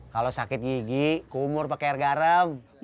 kalau sakit gigi kumur pakai air garam